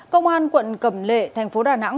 công an quận cầm lệ thành phố đà nẵng